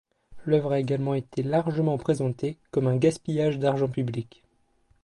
L'œuvre a également été largement présentée comme un gaspillage d'argent public.